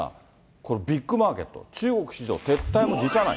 このビッグマーケット、中国市場撤退も辞さない。